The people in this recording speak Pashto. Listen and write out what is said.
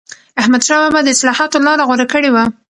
احمدشاه بابا د اصلاحاتو لاره غوره کړې وه.